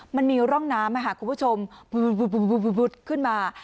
มันมีร่องน้ำค่ะคุณผู้ชมบุ๊บบุ๊บบุ๊บบุ๊บบุ๊บบุ๊บขึ้นมา